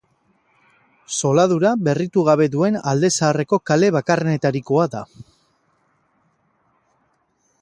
Zoladura berritu gabe duen Alde Zaharreko kale bakarrenetarikoa da.